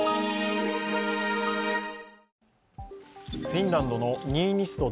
フィンランドのニーニスト